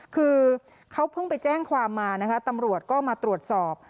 คือเขาเพิ่งไปแจ้งความมานะคะตำรวจก็มาตรวจสอบ